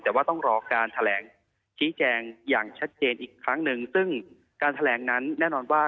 แต่ว่าต้องรอการแถลงชี้แจงอย่างชัดเจนอีกครั้งหนึ่งซึ่งการแถลงนั้นแน่นอนว่า